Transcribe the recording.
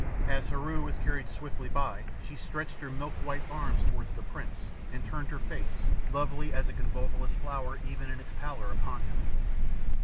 As Heru was carried swiftly by she stretched her milk white arms towards the prince and turned her face, lovely as a convolvulus flower even in its pallor, upon him.